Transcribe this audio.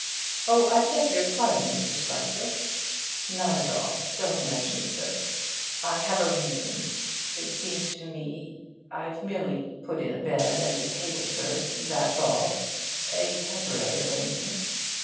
'Oh, I beg your pardon, Mr. Spicer!' 'Not at all, sir! Don't mention it, sir. I have a reason it seemed to me I've merely put in a bed and a table, sir, that's all a temporary arrangement.'